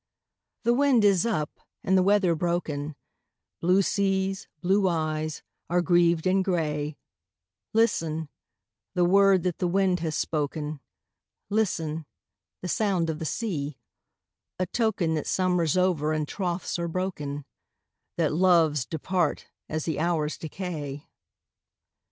The wind is up, and the weather broken, Blue seas, blue eyes, are grieved and grey, Listen, the word that the wind has spoken, Listen, the sound of the sea,—a token That summer's over, and troths are broken,— That loves depart as the hours decay.